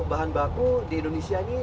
bahan baku di indonesia ini